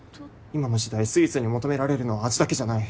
今の時代スイーツに求められるのは味だけじゃない。